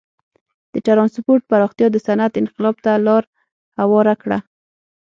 د ټرانسپورت پراختیا د صنعت انقلاب ته لار هواره کړه.